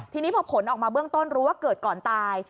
ทีนี้พอผลออกมาเบื้องต้นรู้ว่าเกิดก่อนตาย